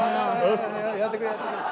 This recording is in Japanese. やってくれやってくれ。